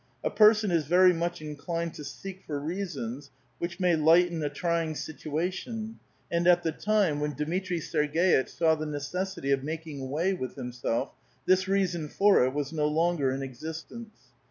A person is very much inclined to seek for reasons which maj* lighten a trying situation, and at the time when Dmitri Serg6itch saw the necessity of making way with himself, this reason for it was no longer in existence.